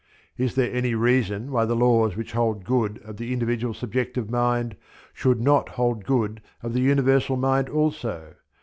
Is there any reason why the laws which hold good of the individual subjective mind should not hold good of the Universal Mind also?